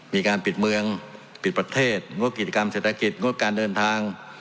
มีการปิดเมืองปิดประเทศงดกิจกรรมเศรษฐกิจงดการเดินทาง